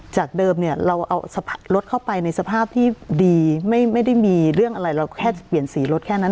จากเดิมเนี่ยเราเอารถเข้าไปในสภาพที่ดีไม่ได้มีเรื่องอะไรเราแค่จะเปลี่ยนสีรถแค่นั้น